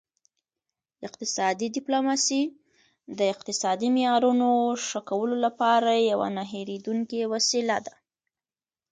اقتصادي ډیپلوماسي د اقتصادي معیارونو ښه کولو لپاره یوه نه هیریدونکې وسیله ده